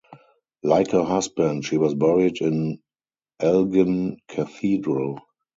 Like her husband, she was buried in Elgin Cathedral.